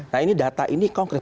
nah ini data ini konkret